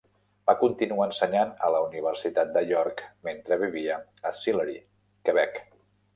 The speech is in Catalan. Va continuar ensenyant a la Universitat de York, mentre vivia a Sillery, Quebec.